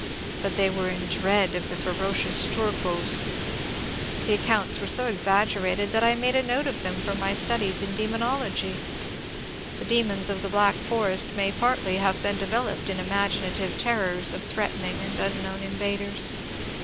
But they were in dread of the '^ ferocious Turcos I " The accounts were so exaggerated that I made a note of them for my studies in demonology. The demons of the Black Forest may i)artly have been developed in imaginative terrors of threatening and unknown invaders.